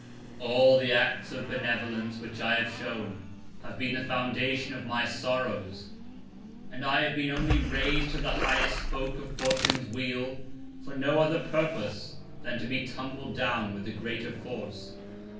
All the Acts of Benevolence which I have shewn, have been the Foundation of my Sorrows, and I have been only rais'd to the highest Spoke of Fortune's Wheel, for no other Purpose than to be tumbled down with the greater Force.